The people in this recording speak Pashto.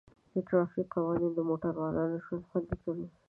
د ټرافیک قوانین د موټروانو ژوند خوندي کوي.